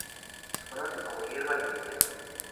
Se conoce como "hierba negrilla".